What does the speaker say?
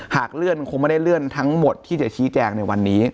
เลื่อนคงไม่ได้เลื่อนทั้งหมดที่จะชี้แจงในวันนี้